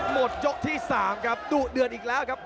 หมดยกที่๓ครับดุเดือดอีกแล้วครับ